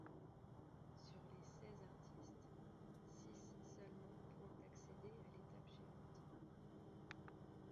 Sur les seize artistes, six seulement pourront accéder à l'étape suivante.